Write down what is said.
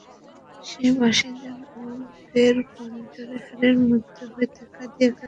সে বাঁশি যেন আমার বুকের পঞ্জরের হাড়ের মধ্য হইতে কাঁদিয়া কাঁদিয়া বাজিয়া উঠিতেছে।